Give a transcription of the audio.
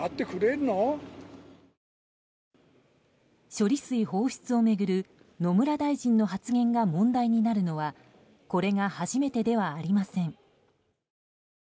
処理水放出を巡る野村大臣の発言が問題になるのはこれが初めてではありません。